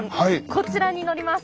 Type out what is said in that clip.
こちらに乗ります。